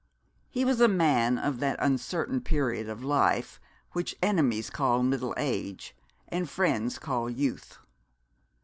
He was a man of that uncertain period of life which enemies call middle age, and friends call youth.